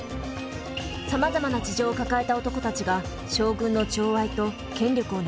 さまざまな事情を抱えた男たちが将軍の寵愛と権力を狙います。